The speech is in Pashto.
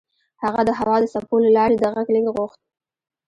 هغه د هوا د څپو له لارې د غږ لېږد غوښت